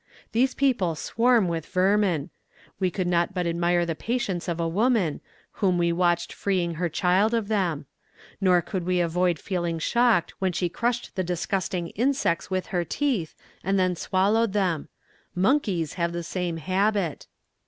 These people swarm with vermin. We could not but admire the patience of a woman, whom we watched freeing her child of them; nor could we avoid feeling shocked when she crushed the disgusting insects with her teeth, and then swallowed them. Monkeys have the same habit!